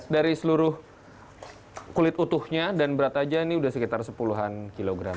dari seluruh kulit utuhnya dan berat aja ini udah sekitar sepuluhan kilogram